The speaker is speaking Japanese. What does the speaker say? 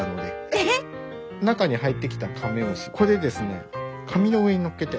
中に入ってきたカメムシこれですね紙の上にのっけて。